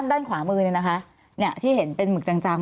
ด้านขวามือเนี่ยนะคะที่เห็นเป็นหมึกจัง